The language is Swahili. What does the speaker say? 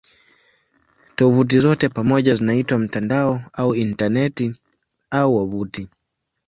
Tovuti zote pamoja zinaitwa "mtandao" au "Intaneti" au "wavuti".